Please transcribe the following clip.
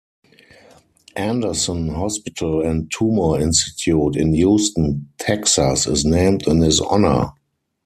Anderson Hospital and Tumor Institute in Houston, Texas, is named in his honor.